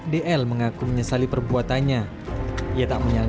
jangan asal asal bagikan status orang lain